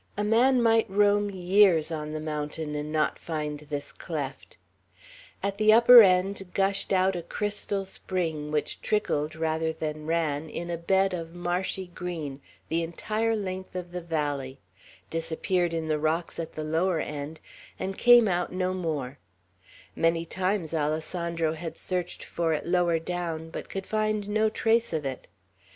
A man might roam years on the mountain and not find this cleft. At the upper end gushed out a crystal spring, which trickled rather than ran, in a bed of marshy green, the entire length of the valley, disappeared in the rocks at the lower end, and came out no more; many times Alessandro had searched for it lower down, but could find no trace of it.